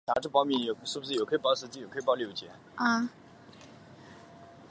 与上座部佛教相比汉传佛教则更多地使用显教一词。